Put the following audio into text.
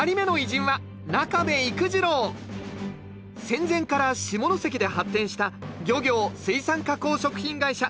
戦前から下関で発展した漁業・水産加工食品会社